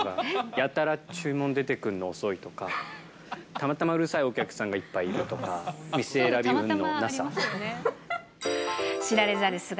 やたら注文出てくんの遅いとか、たまたまうるさいお客さんがいっぱいいるとか、知られざる素顔